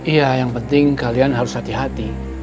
iya yang penting kalian harus hati hati